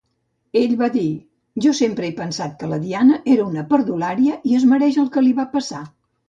Ell va dir: Jo sempre he pensat que la Diana era una perdulària i es mereix el que li va passar.